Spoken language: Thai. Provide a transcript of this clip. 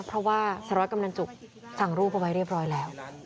เพราะว่าสารวัตกำนันจุกสั่งรูปเอาไว้เรียบร้อยแล้ว